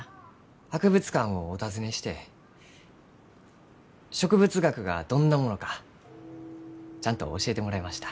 博物館をお訪ねして植物学がどんなものかちゃんと教えてもらいました。